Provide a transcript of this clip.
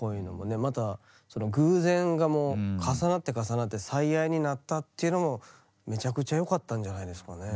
またその偶然がもう重なって重なって「最愛」になったっていうのもめちゃくちゃよかったんじゃないですかね。